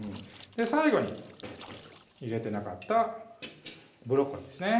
最後に入れてなかったブロッコリーですね